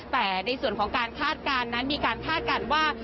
แต่ในส่วนของการคาดการณ์นั้นมีการคาดการณ์ว่า